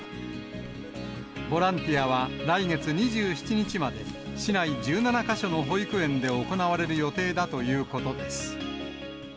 ボランティアは来月２７日まで、市内１７か所の保育園で行われる予定だということです。